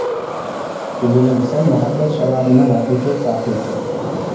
گۈزىلىم، سەن مۇھەببەت شارابىنىڭ ھەقىقىي ساقىيسى.